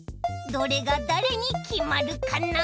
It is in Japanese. どれがだれにきまるかな？